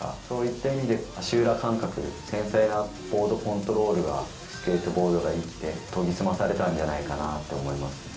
そういった意味で、足裏感覚、繊細なボードコントロールが、スケートボードが生きて、研ぎ澄まされたんじゃないかなと思います。